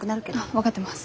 分かってます。